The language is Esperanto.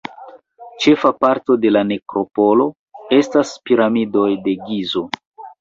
Ĉefa parto de la nekropolo estas Piramidoj de Gizo.